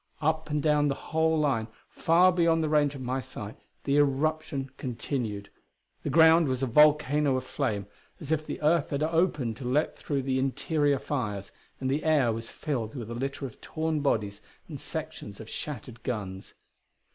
Up and down the whole line, far beyond the range of my sight, the eruption continued. The ground was a volcano of flame, as if the earth had opened to let through the interior fires, and the air was filled with a litter of torn bodies and sections of shattered guns.